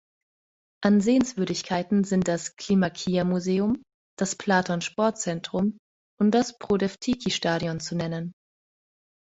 An Sehenswürdigkeiten sind das Klimakia-Museum, das Platon-Sportzentrum und das Proodeftiki-Stadion zu nennen.